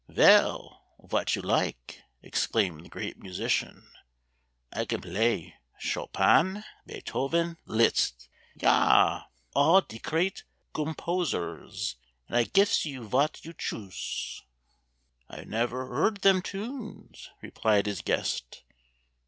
"Vell, vot you like," Exclaimed the great musician. "I can blay Chopin, Beethoven, Liszt—ja! all de crate Gombosers, and I gifes you vot you shoose." "I never heerd them tunes," replied his guest.